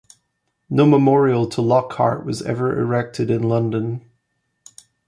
No memorial to Lockhart was ever erected in London.